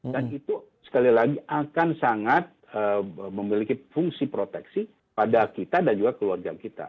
dan itu sekali lagi akan sangat memiliki fungsi proteksi pada kita dan juga keluarga kita